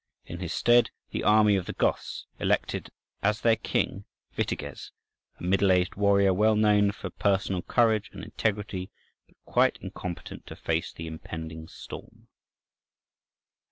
In his stead the army of the Goths elected as their king Witiges, a middle aged warrior, well known for personal courage and integrity, but quite incompetent to face the impending storm.